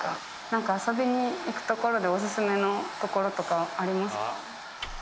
なんか遊びに行く所でオススメの所とかありますか？